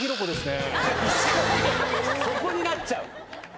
そこになっちゃう？